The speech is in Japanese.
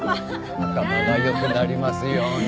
頭が良くなりますように。